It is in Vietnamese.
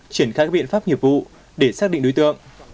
chuyển khai các biện pháp nhiệm vụ để xác định đối tượng